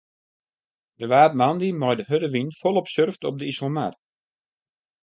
Der waard moandei mei de hurde wyn folop surft op de Iselmar.